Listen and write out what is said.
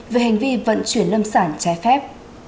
về hành vi vận chuyển lâm sản trái phép